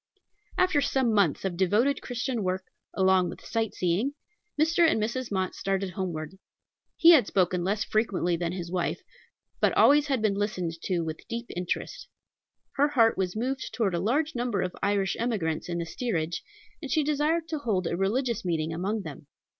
After some months of devoted Christian work, along with sight seeing, Mr. and Mrs. Mott started homeward. He had spoken less frequently than his wife, but always had been listened to with deep interest. Her heart was moved toward a large number of Irish emigrants in the steerage, and she desired to hold a religious meeting among them.